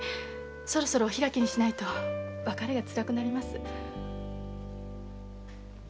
そろそろお開きにしないと別れがつらくなります。